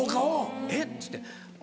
「え？」っつって。